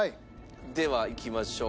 ではいきましょう。